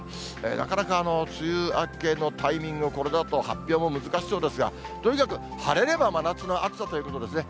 なかなか梅雨明けのタイミング、これだと発表も難しそうですが、とにかく晴れれば真夏の暑さということですね。